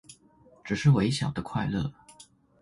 只是微小的快樂